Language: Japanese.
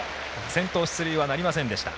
先頭出塁はなりませんでした。